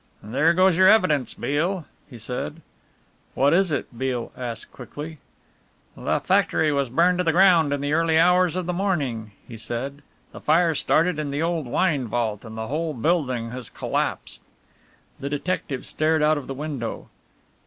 "There goes your evidence, Beale," he said. "What is it?" asked Beale quickly. "The factory was burned to the ground in the early hours of the morning," he said. "The fire started in the old wine vault and the whole building has collapsed." The detective stared out of the window.